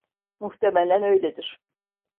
Muhtemelen öyledir.